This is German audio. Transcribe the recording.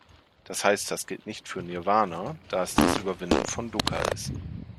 Das heißt das gilt nicht für Nirwana, da es das Überwinden von Dukkha ist.